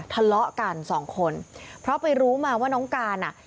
ทะเลาะกันสองคนเพราะไปรู้มาว่าน้องการอ่ะ